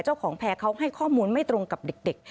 เจ้าของแพร่เขาให้ข้อมูลไม่ตรงกับเด็ก